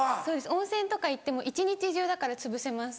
温泉とか行っても一日中だからつぶせます。